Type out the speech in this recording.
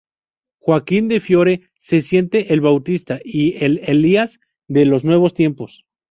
Joaquín de Fiore se siente el Bautista y el Elías de los nuevos tiempos.